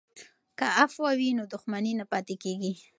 که عفوه وي نو دښمني نه پاتیږي.